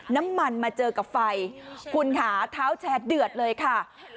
น้ำมันมาเจอกับไฟคุณค่ะเท้าแชร์เดือดเลยค่ะ